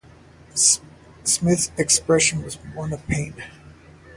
Smith's expression was one of pain.